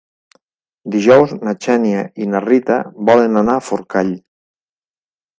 Dijous na Xènia i na Rita volen anar a Forcall.